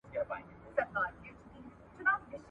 د کندهار په کلتور کي د ځمکي ارزښت څه دی؟